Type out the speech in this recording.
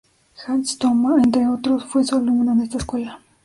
Hans Thoma, entre otros, fue su alumno en esta escuela.